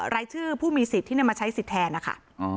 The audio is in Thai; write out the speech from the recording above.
รายชื่อผู้มีสิทธิ์ที่นำมาใช้สิทธิ์แทนนะคะ